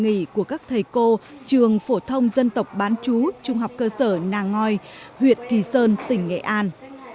đây là một phần nghỉ của các thầy cô trường phổ thông dân tộc bán chú trung học cơ sở nàng ngòi huyện kỳ sơn tỉnh nghệ an